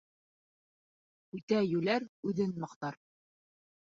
Үтә йүләр үҙен маҡтар.